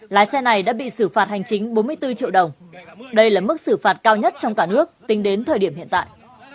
lái xe này đã bị xử phạt hành chính bốn mươi bốn triệu đồng đây là mức xử phạt cao nhất trong cả nước tính đến thời điểm hiện tại